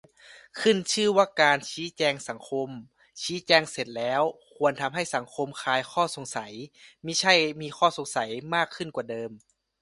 ขึ้นชื่อว่าการ "ชี้แจงสังคม" ชี้แจงเสร็จแล้วควรทำให้สังคมคลายข้อสงสัย มิใช่มีข้อสงสัยมากขึ้นกว่าเดิม